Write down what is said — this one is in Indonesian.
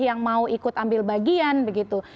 yang mau ikut ambil bagian begitu